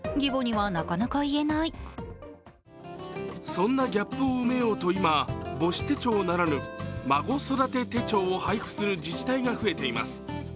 そんなギャップを埋めようと今、母子手帳ならぬ孫育て手帳を配布する自治体が増えています。